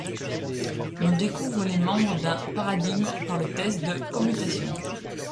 On découvre les membres d'un paradigme par le test de commutation.